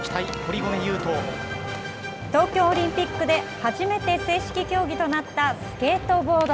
東京オリンピックで初めて正式競技となったスケートボード。